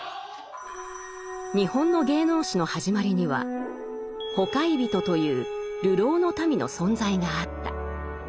「日本の芸能史のはじまりには『ほかひびと』という流浪の民の存在があった」。